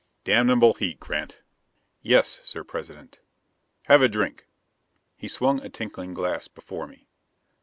"Damnable heat, Grant." "Yes, Sir President." "Have a drink." He swung a tinkling glass before me.